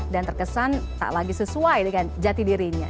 dan terkesan tak lagi sesuai dengan jati dirinya